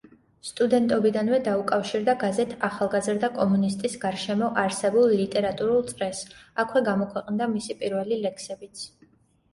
სტუდენტობიდანვე დაუკავშირდა გაზეთ „ახალგაზრდა კომუნისტის“ გარშემო არსებულ ლიტერატურულ წრეს, აქვე გამოქვეყნდა მისი პირველი ლექსებიც.